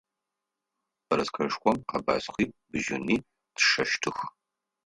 Бэрэскэшхом къэбаскъи бжьыни тщэщтых.